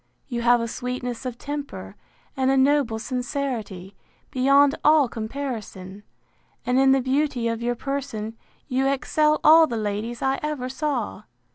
You have a sweetness of temper, and a noble sincerity, beyond all comparison; and in the beauty of your person, you excel all the ladies I ever saw.